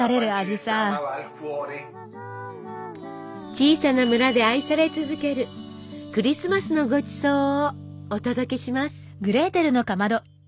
小さな村で愛され続けるクリスマスのごちそうをお届けします！